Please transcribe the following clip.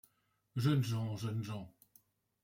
jeunes gens, jeunes gens.